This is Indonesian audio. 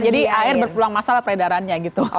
jadi air berpeluang masalah peredarannya gitu